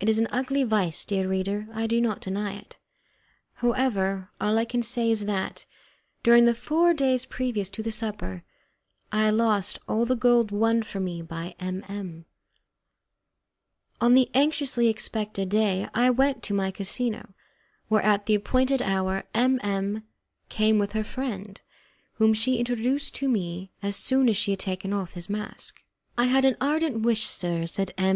It is an ugly vice, dear reader, I do not deny it. However, all I can say is that, during the four days previous to the supper, I lost all the gold won for me by M M On the anxiously expected day I went to my casino, where at the appointed hour M M came with her friend, whom she introduced to me as soon as he had taken off his mask. "I had an ardent wish, sir," said M.